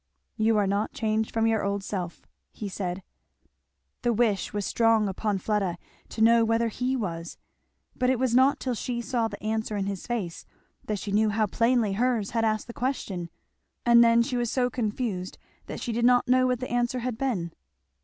"You are not changed from your old self," he said. The wish was strong upon Fleda to know whether he was, but it was not till she saw the answer in his face that she knew how plainly hers had asked the question. And then she was so confused that she did not know what the answer had been.